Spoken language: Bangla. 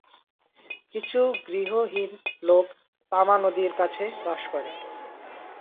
কিছু গৃহহীন লোক তামা নদীর কাছে বাস করে।